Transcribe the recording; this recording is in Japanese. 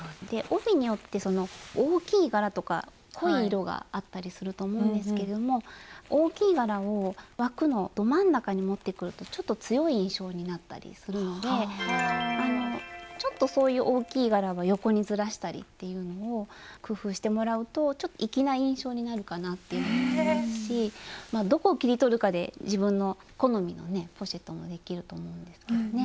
帯によって大きい柄とか濃い色があったりすると思うんですけれども大きい柄を枠のど真ん中に持ってくるとちょっと強い印象になったりするのでちょっとそういう大きい柄は横にずらしたりっていうのを工夫してもらうと粋な印象になるかなっていうのもありますしどこを切り取るかで自分の好みのねポシェットもできると思うんですけどね。